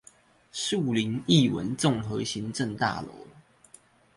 樹林藝文綜合行政大樓